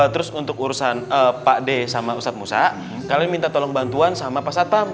terus untuk urusan pak d sama ustadz musa kalian minta tolong bantuan sama pak satpam